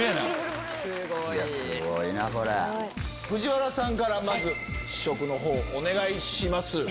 藤原さんからまず試食のほうお願いします。